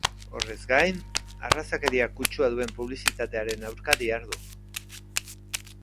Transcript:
Horrez gain, arrazakeria kutsua duen publizitatearen aurka dihardu.